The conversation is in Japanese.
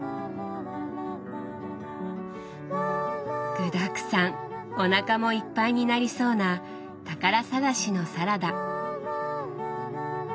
具だくさんおなかもいっぱいになりそうな「宝探しのサラダ」。